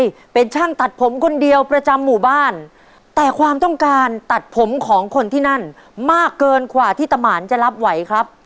ที่เป็นช่างตัดผมคนเดียวประจำหมู่บ้านแต่ความต้องการตัดผมของคนที่นั่นมากเกินกว่าที่ตะหมานจะรับไหวครับ